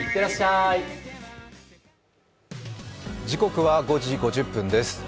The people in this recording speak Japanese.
時刻は５時５０分です。